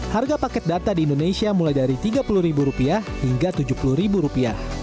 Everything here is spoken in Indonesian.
harga paket data di indonesia mulai dari rp tiga puluh hingga rp tujuh puluh